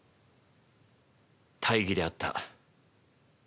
大儀であった。